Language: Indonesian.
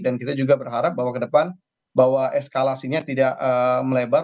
dan kita juga berharap bahwa kedepan bahwa eskalasinya tidak melebar